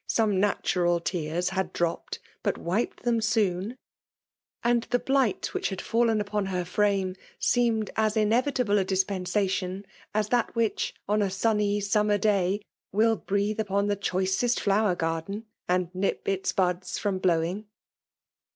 Some natural teari had droppM But wiped them soon ; and the blight which had fallen upon her frame seemed as inevitable a dispensation as that which, on a sunny summer day, will breathe upon the choicest flower garden — And nip its buds from blowing I